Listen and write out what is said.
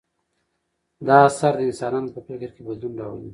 دا اثر د انسانانو په فکر کې بدلون راولي.